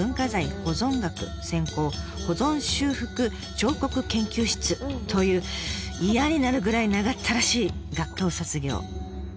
井村さんと中さんはという嫌になるぐらい長ったらしい学科を卒業。